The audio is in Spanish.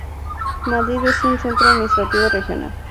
Mahdia es un centro administrativo regional.